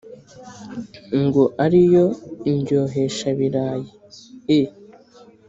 Ngo ari yo "Indyohesha-birayi"e!"